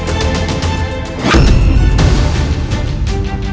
tidak ada yang bisa dihukum